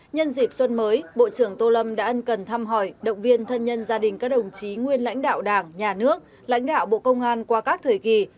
nhân dịp xuân mới bộ trưởng tô lâm đã ân cần thăm hỏi động viên thân nhân gia đình các đồng chí nguyên lãnh đạo đảng nhà nước lãnh đạo bộ công an qua các thời kỳ